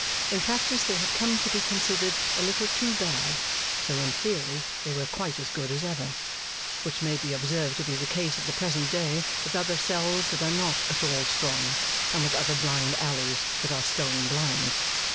In practice they had come to be considered a little too bad, though in theory they were quite as good as ever; which may be observed to be the case at the present day with other cells that are not at all strong, and with other blind alleys that are stone blind.